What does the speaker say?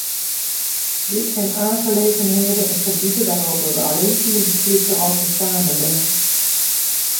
Dit zijn aangelegenheden en gebieden waarover we alleen kunnen beslissen als we samenwerken.